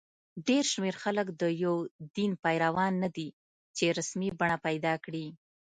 ډېر شمېر خلک د یو دین پیروان نه دي چې رسمي بڼه پیدا کړي.